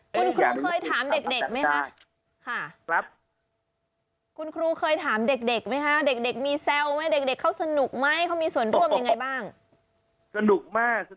คุณครูเคยถามเด็กไหมคะค่ะคุณครูเคยถามเด็กไหมคะเด็กมีแซวไหมเด็กเขาสนุกไหมเขามีส่วนร่วมยังไงบ้างสนุกมาก